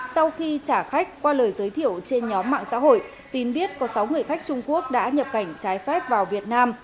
sau khi trả khách qua lời giới thiệu trên nhóm mạng xã hội tín biết có sáu người khách trung quốc đã nhập cảnh trái phép vào việt nam